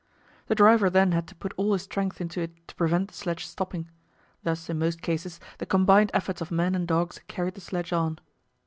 The driver then had to put all his strength into it to prevent the sledge stopping. Thus in most cases the combined efforts of men and dogs carried the sledge on.